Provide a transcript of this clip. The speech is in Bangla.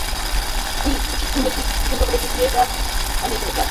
শেলি, তুমি ঠিকই বলেছ, ছাদের কপালে টিপ দিয়েই তাই পালিয়ে যায় চাঁদ।